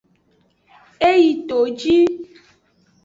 E yi toji.